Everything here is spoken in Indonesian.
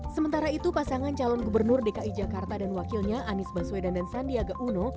sementara itu pasangan calon gubernur dki jakarta dan wakilnya anies baswedan dan sandiaga uno